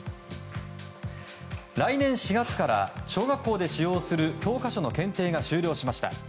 来年４月から小学校で使用する教科書の検定が終了しました。